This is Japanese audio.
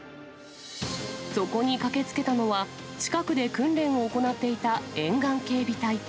そこに駆けつけたのは、近くで訓練を行っていた沿岸警備隊。